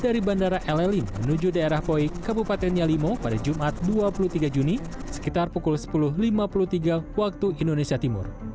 terlepas landas dari bandara eleling menuju daerah poik kabupaten yalimo pada jumat dua puluh tiga juni sekitar pukul sepuluh lima puluh tiga wib